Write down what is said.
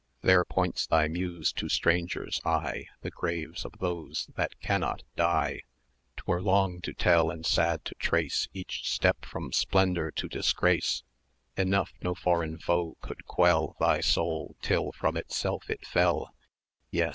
There points thy Muse to stranger's eye[cq] The graves of those that cannot die! 'Twere long to tell, and sad to trace, Each step from Splendour to Disgrace; Enough no foreign foe could quell Thy soul, till from itself it fell; Yet!